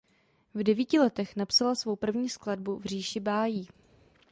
V devíti letech napsala svou první skladbu "V říši bájí".